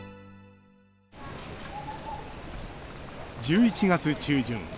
１１月中旬。